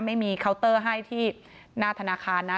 เคาน์เตอร์ให้ที่หน้าธนาคารนะ